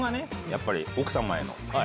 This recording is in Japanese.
やっぱり奥様への。